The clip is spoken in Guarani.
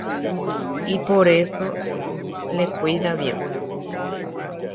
Upehaguére oñangareko porã hese.